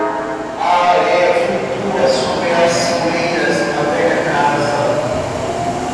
A areia flutua sobre as soleiras da velha casa.